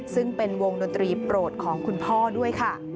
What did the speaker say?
ซึ่งเป็นวงดนตรีโปรดของคุณพ่อด้วยค่ะ